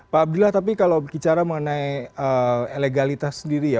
pak abdillah tapi kalau bicara mengenai legalitas sendiri ya